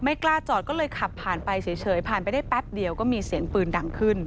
กล้าจอดก็เลยขับผ่านไปเฉยผ่านไปได้แป๊บเดียวก็มีเสียงปืนดังขึ้น